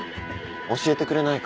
教えてくれないか？